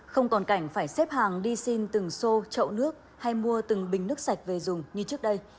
không còn cảnh phải xếp hàng đi xin từng xô chậu nước hay mua từng bình nước sạch về dùng như trước đây